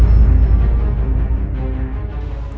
tidak saya tidak mencintai andin